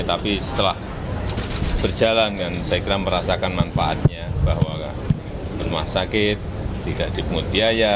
tapi setelah berjalan kan saya kira merasakan manfaatnya bahwa rumah sakit tidak dipungut biaya